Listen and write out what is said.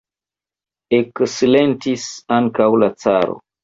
Eksilentis ankaŭ la caro.